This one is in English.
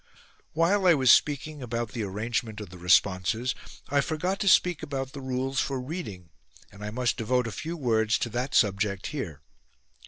7. While I was speaking about the arrangement of the responses I forgot to speak about the rules for reading and I must devote a few words to that subject here.